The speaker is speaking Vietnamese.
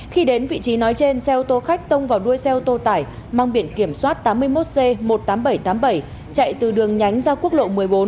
khi đến vị trí nói trên xe ô tô khách tông vào đuôi xe ô tô tải mang biển kiểm soát tám mươi một c một mươi tám nghìn bảy trăm tám mươi bảy chạy từ đường nhánh ra quốc lộ một mươi bốn